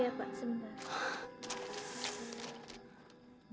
ya pak sebentar